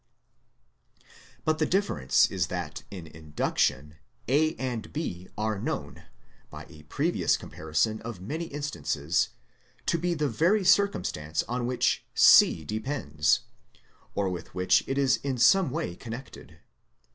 But the difference is that in induction, A and B are known, by a previous comparison of many instances, to be the very circumstances on which C depends, or with which it is in some way connected.